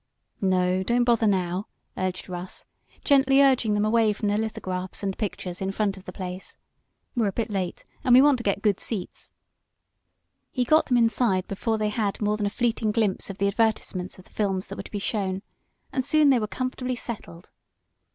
"No, don't bother now!" urged Russ, gently urging them away from the lithographs and pictures in front of the place. "We're a bit late, and we want to get good seats." He got them inside before they had more than a fleeting glimpse of the advertisements of the films that were to be shown, and soon they were comfortably settled.